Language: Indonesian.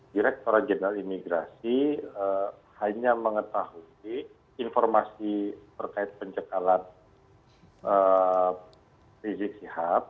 direktur jenderal imigrasi hanya mengetahui informasi terkait pencekalan rizik sihab